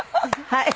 はい。